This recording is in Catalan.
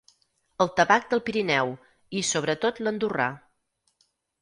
El tabac del Pirineu, i sobretot l'andorrà.